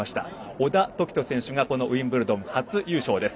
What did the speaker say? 小田凱人選手が、ウィンブルドン初優勝です。